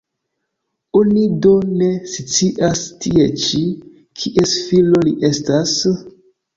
Oni do ne scias tie ĉi, kies filo li estas?